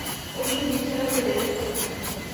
ওকে বিছানাতে বেঁধে ফেল।